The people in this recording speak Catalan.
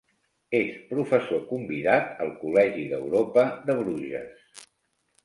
És professor convidat al Col·legi d'Europa de Bruges.